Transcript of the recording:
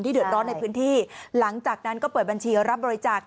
เดือดร้อนในพื้นที่หลังจากนั้นก็เปิดบัญชีรับบริจาค